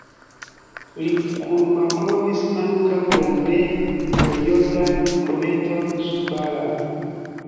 Li kunmalkovris ankaŭ la ne-periodan kometon Zhu-Balam.